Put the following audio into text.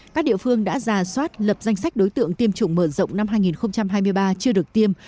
các địa phương đã giả soát lập danh sách đối tượng tiêm chủng mở rộng năm hai nghìn hai mươi ba chưa được tiêm